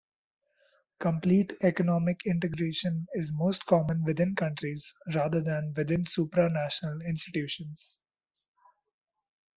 Complete economic integration is most common within countries, rather than within supranational institutions.